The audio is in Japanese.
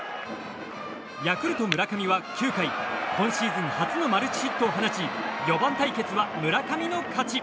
ヤクルト、村上は９回今シーズン初のマルチヒットを放ち４番対決は村上の勝ち。